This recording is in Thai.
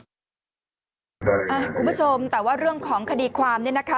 คุณผู้ชมแต่ว่าเรื่องของคดีความเนี่ยนะคะ